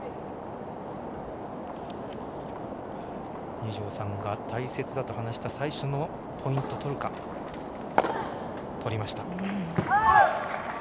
二條さんが大切だと話した最初のポイントとりました。